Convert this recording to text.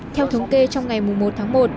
theo thống kê trong ngày một tháng một